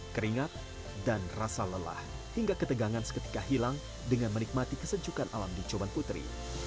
keringat dan rasa lelah hingga ketegangan seketika hilang dengan menikmati kesejukan alam di coban putri